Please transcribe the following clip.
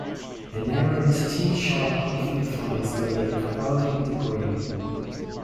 An errant tee shot often finds the lake guarding the green.